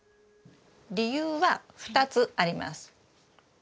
理由は２つあります。